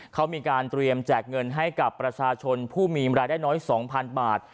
เขามีการเตรียมแจกเงินให้กับประชาชนผู้มีรายได้น้อย๒๐๐๐บาท